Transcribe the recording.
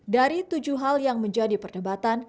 dari tujuh hal yang menjadi perdebatan